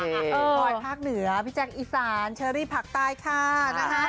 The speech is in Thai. โดยภาคเหนือพี่แจงอีสานเชอรี่ผักใต้ค่ะ